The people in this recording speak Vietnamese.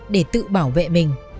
để tự bảo vệ mình